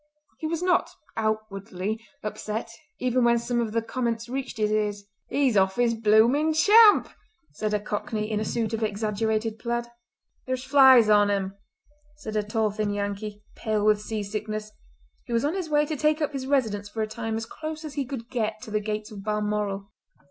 He was not, outwardly, upset even when some of the comments reached his ears. "He's off his bloomin' chump," said a cockney in a suit of exaggerated plaid. "There's flies on him," said a tall thin Yankee, pale with sea sickness, who was on his way to take up his residence for a time as close as he could get to the gates of Balmoral.